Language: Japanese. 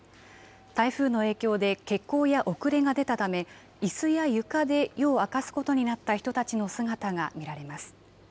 台風の影響で欠航や遅れが出たため、いすや床で夜を明かすことになった人たちの姿が見られます。